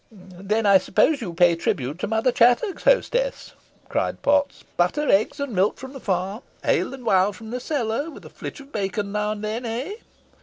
"Then I suppose you pay tribute to Mother Chattox, hostess?" cried Potts, "butter, eggs, and milk from the farm, ale and wine from the cellar, with a flitch of bacon now and then, ey?"